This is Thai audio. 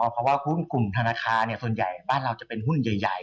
เพราะว่าหุ้นกลุ่มธนาคารส่วนใหญ่บ้านเราจะเป็นหุ้นใหญ่